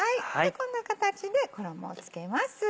こんな形で衣を付けます。